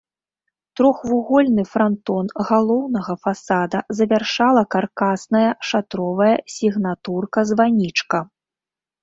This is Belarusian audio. Трохвугольны франтон галоўнага фасада завяршала каркасная шатровая сігнатурка-званічка.